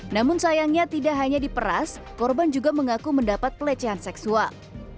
namun sayangnya tidak hanya diperas korban juga mengaku mendapat pelecehan seksual